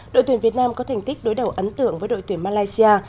đội tuyển việt nam có thành tích đối đầu ấn tượng với đội tuyển malaysia